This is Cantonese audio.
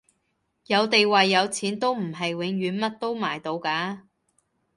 有地位有錢都唔係永遠乜都買到㗎